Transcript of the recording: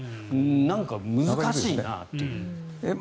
なんか難しいなという。